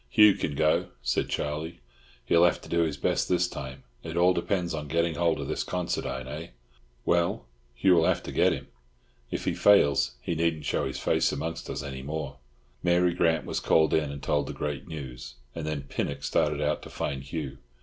"Hugh can go," said Charlie. "He'll have to do his best this time. It all depends on getting hold of this Considine, eh? Well, Hugh 'll have to get him. If he fails he needn't show his face amongst us any more." Mary Grant was called in and told the great news, and then Pinnock started out to find Hugh.